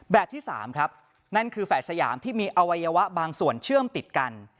แบบที่๓ครับนั่นคือแฝดสยามที่มีอวัยวะบางส่วนเชื่อมติดกัน